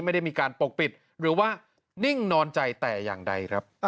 ไม่ได้มีการปกปิดหรือว่านิ่งนอนใจแต่อย่างใดครับ